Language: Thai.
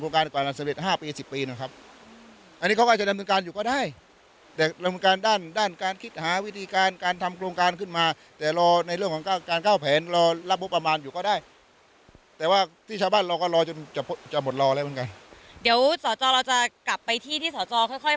แต่ว่าที่ชาวบ้านเราก็รอจนจะพอจะหมดรอและมันไปเตียงเดี๋ยวสอจอเราจะกลับไปที่ที่สอจอค่อย